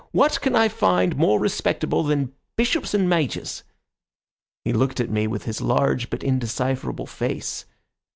What can I find more respectable than bishops and majors?' He looked at me with his large but indecipherable face.